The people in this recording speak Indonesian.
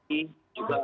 dia jam terbang